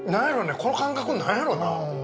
この感覚何やろな？